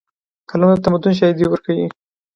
قلم د تمدن شاهدي ورکوي.